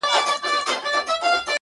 چې تاریخ پرې بحث وکړي